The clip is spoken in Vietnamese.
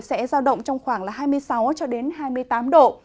sẽ ra động trong khoảng hai mươi sáu hai mươi tám độ